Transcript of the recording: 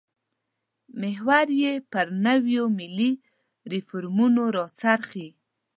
محور یې پر نویو ملي ریفورمونو راڅرخي.